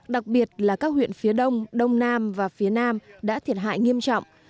đặc biệt là các huyện phía đông đông nam và phía nam đã thiệt hại nghiêm trọng